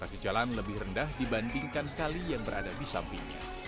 sejalan lebih rendah dibandingkan kali yang berada di sampingnya